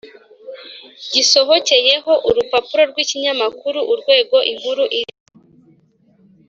gisohokeyeho, urupapuro rw’ikinyamakuru, urwego inkuru irimo